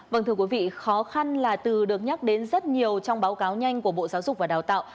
vâng thưa quý vị khó khăn là từ được nhắc đến rất nhiều trong báo cáo nhanh của bộ giáo dục và đào tạo